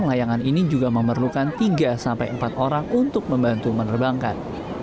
layangan ini juga memerlukan tiga sampai empat orang untuk membantu menerbangkan